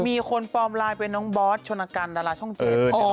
มีคนปลอมไลน์เป็นน้องบอสชนกันดาราช่องเจ็ด